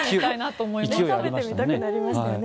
食べてみたくなりましたよね。